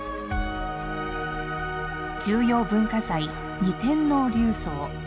重要文化財「二天王立像」。